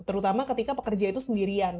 terutama ketika pekerja itu sendirian